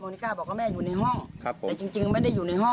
แต่เขาอยู่ตรงหน้าบ้านปิดประตู